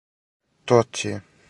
То ти је.